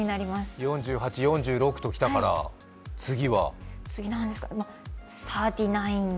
４８、４６ときたから次は？